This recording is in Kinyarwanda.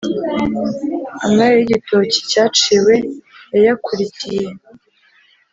amabere y’igitoki cyaciwe yayakurikiye